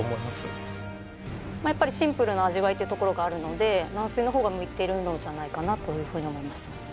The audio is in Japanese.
まあやっぱりシンプルな味わいっていうところがあるので軟水の方が向いているんじゃないかなというふうに思いました